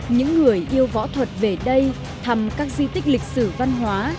những người yêu võ thuật về đây thăm các di tích lịch sử văn hóa